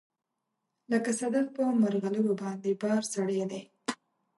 لکه صدف په مرغلروباندې بار سړی دی